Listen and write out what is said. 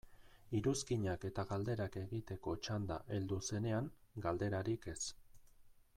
Iruzkinak eta galderak egiteko txanda heldu zenean, galderarik ez.